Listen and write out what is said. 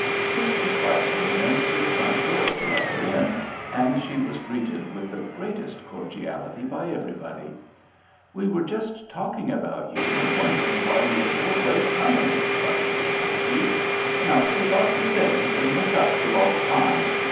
Sister Spicer went to the front door to let her in, and she was greeted with the greatest cordiality by everybody. "We were just talking about you and wondering why you were so late coming," cried Sister Poteet. "Now take off your things and make up for lost time.